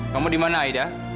kamu di mana aida